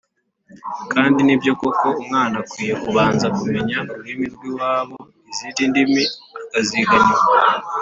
Kandi ni byo koko umwana akwiye kubanza kumenya ururimi rw’iwabo izindi ndimi akaziga nyuma”